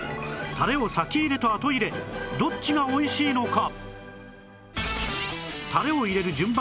タレを先入れと後入れどっちがおいしいのか？